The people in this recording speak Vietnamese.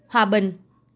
hai mươi chín hòa bình